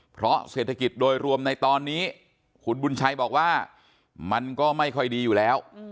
เพราะเศรษฐกิจโดยรวมในตอนนี้คุณบุญชัยบอกว่ามันก็ไม่ค่อยดีอยู่แล้ว